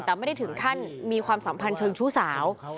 แต่ไม่ได้ถึงขั้นมีความสัมพันธ์เชิงชู้สาว